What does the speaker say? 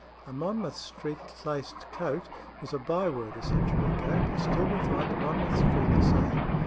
"A Monmouth Street laced coat" was a byword a century ago, but still we find Monmouth Street the same.